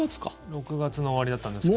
６月の終わりだったんですけど。